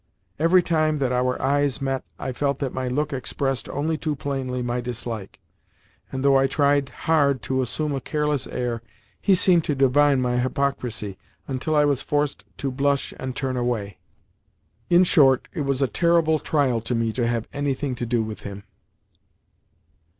Every time that our eyes met I felt that my look expressed only too plainly my dislike, and, though I tried hard to assume a careless air, he seemed to divine my hypocrisy, until I was forced to blush and turn away. In short, it was a terrible trial to me to have anything to do with him.